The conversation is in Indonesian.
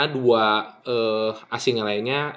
dua asing yang lainnya